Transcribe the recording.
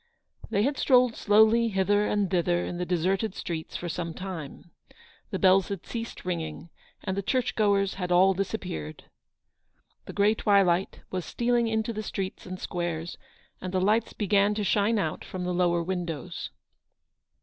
They had strolled slowly hither and thither in the deserted streets for some time. The bells had ceased ringing, and the church goers had all dis appeared. The grey twilight was stealing into the streets and squares, and the lights began to shine out from the lower windows.